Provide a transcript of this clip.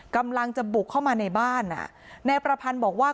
กำลังจะบุกเข้ามาในบ้านอ่ะนายประพันธ์บอกว่า